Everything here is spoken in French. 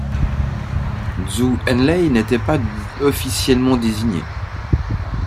Zhou Enlai n'était pas officiellement désigné.